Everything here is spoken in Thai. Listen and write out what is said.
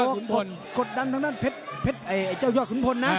ต้องกดดันทั้งเจ้ายอดขุนพลนะ